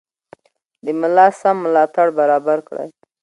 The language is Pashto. د ملا سم ملاتړ برابر کړئ.